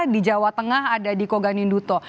di jawa tengah ada di koganinduto